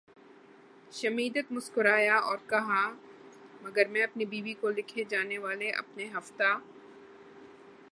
Schmidt مسکرایا اور کہا مگر میں اپنی بیوی کو لکھے جانے والے اپنے ہفتہ